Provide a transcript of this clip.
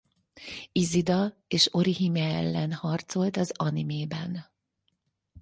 Isida és Orihime ellen harcolt az animében.